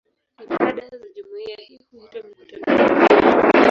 Ibada za jumuiya hii huitwa "mikutano ya kuabudu".